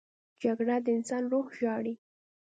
جګړه د انسان روح ژاړي